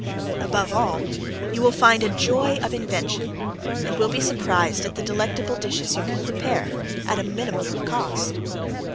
Above all you will find a joy of invention and will be surprised at the delectable dishes you can prepare at a minimum of cost.